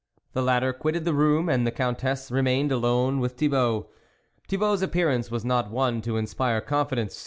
The latter quitted the room and the Countess re mained alone with Thibault. Thibault's appearance was not one to inspire con fidence.